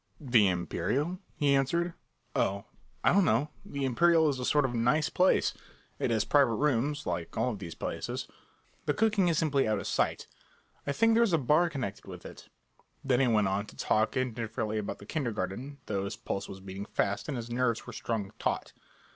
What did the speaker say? "The Imperial?" he answered. "Oh, I don't know; the Imperial is a sort of a nice place. It has private rooms, like all of these places. The cooking is simply out of sight. I think there is a bar connected with it." Then he went on to talk indifferently about the kindergarten, though his pulse was beating fast, and his nerves were strung taut.